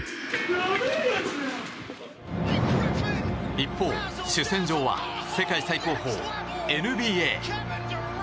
一方、主戦場は世界最高峰、ＮＢＡ。